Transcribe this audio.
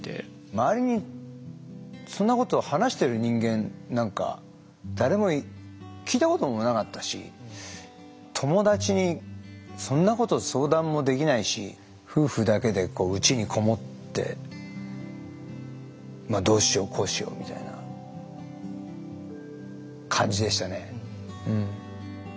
周りにそんなことを話してる人間なんか誰も聞いたこともなかったし友達にそんなこと相談もできないし夫婦だけで内にこもってどうしようこうしようみたいな感じでしたね。